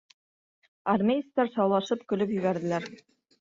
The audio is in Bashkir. Армеецтар шаулашып көлөп ебәрҙеләр.